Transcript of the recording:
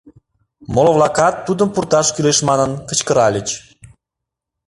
Моло-влакат, тудым пурташ кӱлеш манын, кычкыральыч.